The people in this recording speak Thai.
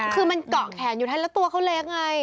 คือมันเกาะแขนอยู่ท่านแล้วตัวเขาเล็กไง